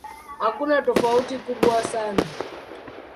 Hakuna tofauti kubwa sana.